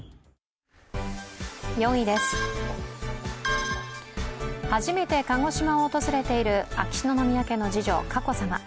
４位です、初めて鹿児島を訪れている秋篠宮家の次女・佳子さま。